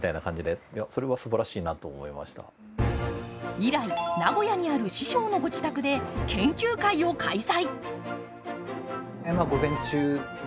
以来、名古屋にある師匠のご自宅で研究会を開催。